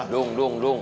dung dung dung